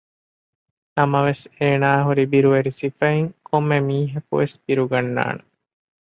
ނަމަވެސް އޭނާ ހުރި ބިރުވެރި ސިފައިން ކޮންމެ މީހަކުވެސް ބިރުގަންނާނެ